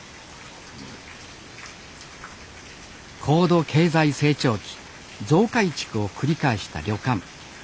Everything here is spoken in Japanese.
高度経済成長期増改築を繰り返した旅館。